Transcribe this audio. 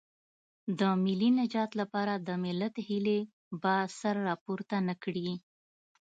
د ملي نجات لپاره د ملت هیلې به سر راپورته نه کړي.